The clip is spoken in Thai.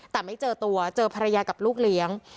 แต่ไม่เจอตัวเจอภรรยากับลูกเลี้ยง